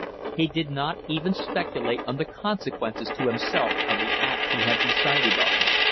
He did not even speculate on the consequences to himself of the act he had decided on.